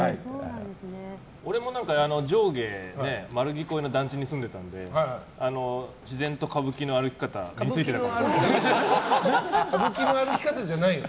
俺も上下丸聞こえの団地に住んでいたので自然と歌舞伎の歩き方が身に付いてるんです。